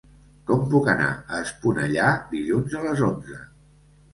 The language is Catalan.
Com puc anar a Esponellà dilluns a les onze?